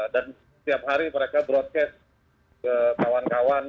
dan setiap hari mereka broadcast ke kawan kawan